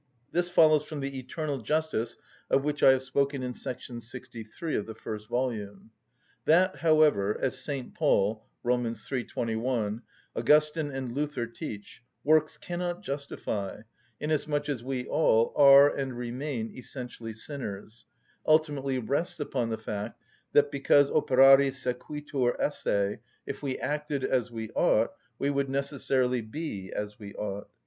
This follows from the eternal justice of which I have spoken in § 63 of the first volume. That, however, as St. Paul (Rom. iii. 21), Augustine, and Luther teach, works cannot justify, inasmuch as we all are and remain essentially sinners, ultimately rests upon the fact that, because operari sequitur esse, if we acted as we ought, we would necessarily be as we ought.